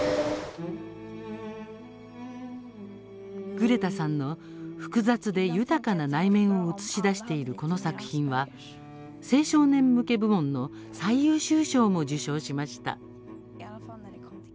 グレタさんの、複雑で豊かな内面を映し出しているこの作品は、青少年向け部門の最優秀賞も受賞しました。